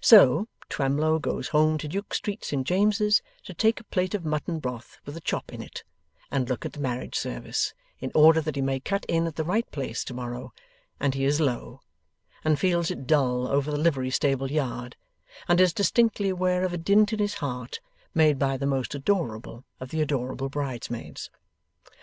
So, Twemlow goes home to Duke Street, St James's, to take a plate of mutton broth with a chop in it, and a look at the marriage service, in order that he may cut in at the right place to morrow; and he is low, and feels it dull over the livery stable yard, and is distinctly aware of a dint in his heart, made by the most adorable of the adorable bridesmaids.